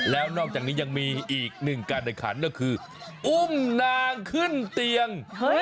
แล้วนอกจากนี้ยังมีอีกหนึ่งการแข่งขันก็คืออุ้มนางขึ้นเตียง